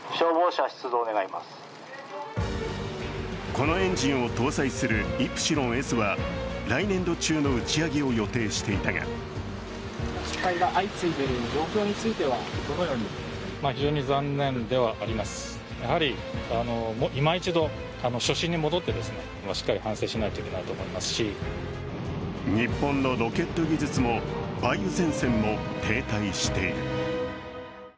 このエンジンを搭載する「イプシロンＳ」は来年度中の打ち上げを予定していたが日本のロケット技術も梅雨前線も停滞している。